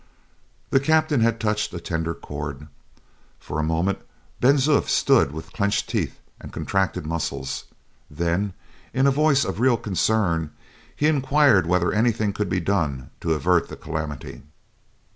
The captain had touched a tender chord. For a moment Ben Zoof stood with clenched teeth and contracted muscles; then, in a voice of real concern, he inquired whether anything could be done to avert the calamity.